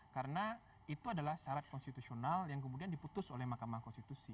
karena itu adalah syarat konstitusional yang kemudian diputus oleh mahkamah konstitusi